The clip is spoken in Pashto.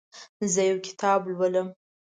زه یو کتاب لولم.